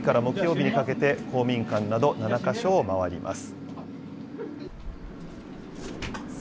毎週月曜日から木曜日にかけて、公民館など７か所を回ります。